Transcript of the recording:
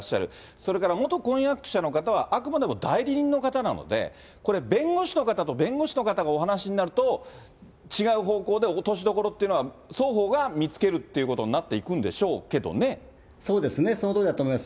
それから元婚約者の方は、あくまでも代理人の方なので、これ、弁護士の方と弁護士の方がお話しになると、違う方向で、落としどころっていうのは、双方が見つけるっていうことになってそうですね、そのとおりだと思います。